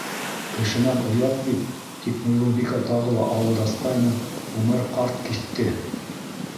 — Кешенән оят бит, — тип Муйылбикә тағы ла ауыҙ асҡайны, Үмәр ҡарт киҫте: